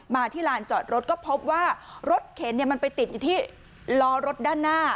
ที่ลานจอดรถก็พบว่ารถเข็นมันไปติดอยู่ที่ล้อรถด้านหน้า